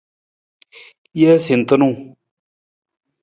Jee sentunung.